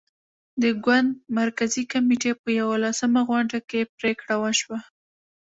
د ګوند مرکزي کمېټې په یوولسمه غونډه کې پرېکړه وشوه.